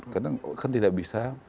karena kan tidak bisa